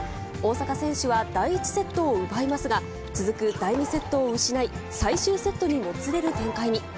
大坂選手は第１セットを奪いますが、続く第２セットを失い、最終セットにもつれる展開に。